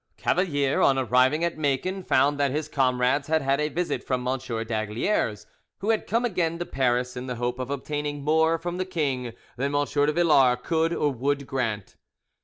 Cavalier on arriving at Macon found that his comrades had had a visit from M. d'Aygaliers, who had come again to Paris, in the hope of obtaining more from the king than M. de Villars could or would grant.